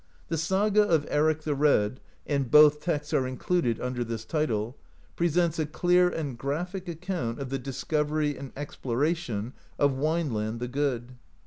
The Saga of Eric the Red [and both texts are in cluded under this title] presents a clear and graphic ac count of the discovery and exploration of Wineland the Good.